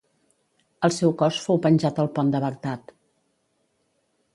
El seu cos fou penjat al pont de Bagdad.